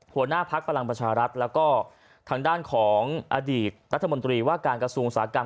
หัวหน้าพักพลังประชารัฐแล้วก็ทางด้านของอดีตรัฐมนตรีว่าการกระทรวงอุตสาหกรรม